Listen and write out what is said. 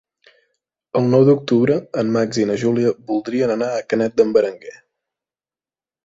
El nou d'octubre en Max i na Júlia voldrien anar a Canet d'en Berenguer.